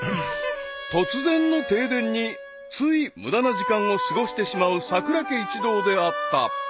［突然の停電につい無駄な時間を過ごしてしまうさくら家一同であった］